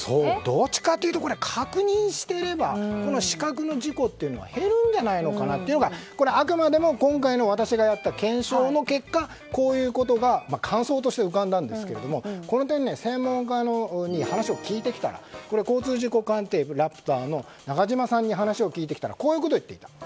どちらかというと確認してれば死角の事故っていうのは減るんじゃないのかっていうのがあくまでも今回私がやった検証の結果こういうことが感想として浮かんだんですけどもこの点、専門家に話を聞いてきたらこれは交通事故鑑定ラプターの中島さんに話を聞いてみたらこういうことを言っていた。